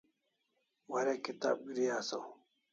Warek kitab gri asaw